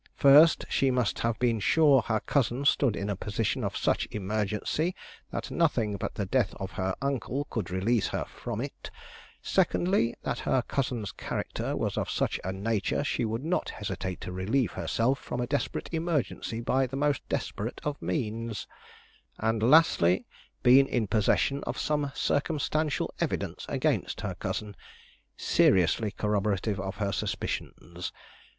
First, she must have been sure her cousin stood in a position of such emergency that nothing but the death of her uncle could release her from it; secondly, that her cousin's character was of such a nature she would not hesitate to relieve herself from a desperate emergency by the most desperate of means; and lastly, been in possession of some circumstantial evidence against her cousin, seriously corroborative of her suspicions.